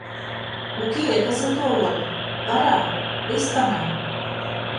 «Уке, кызыт огыл... вара... вескана.